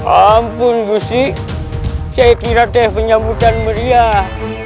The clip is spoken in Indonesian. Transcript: ampun gusti saya kira teh penyambutan meriah